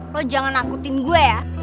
lo jangan nakutin gue ya